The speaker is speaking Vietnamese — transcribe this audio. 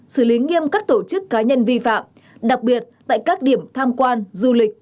xử lý nghiêm các tổ chức cá nhân vi phạm đặc biệt tại các điểm tham quan du lịch